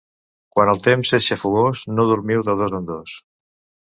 Quan el temps és xafogós, no dormiu de dos en dos.